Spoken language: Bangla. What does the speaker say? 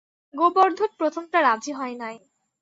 গোবর্ধন প্রথমটা রাজি হয় নাই।